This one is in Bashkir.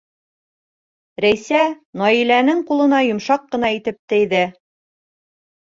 Рәйсә Наиләнең ҡулына йомшаҡ ҡына итеп тейҙе.